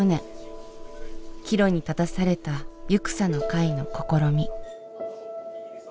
岐路に立たされたゆくさの会の試み。